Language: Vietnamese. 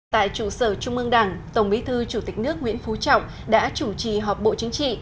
tại trụ sở trung ương đảng tổng bí thư chủ tịch nước nguyễn phú trọng đã chủ trì họp bộ chính trị